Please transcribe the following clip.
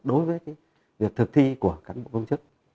đối với việc thực thi của cán bộ công chức